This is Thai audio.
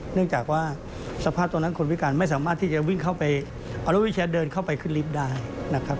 เนื่องจากว่าสภาพตรงนั้นคนพิการไม่สามารถที่จะวิ่งเข้าไปเอารถวิชาเดินเข้าไปขึ้นลิฟต์ได้นะครับ